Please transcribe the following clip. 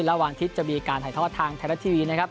วันอาทิตย์จะมีการถ่ายทอดทางไทยรัฐทีวีนะครับ